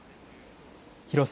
広さ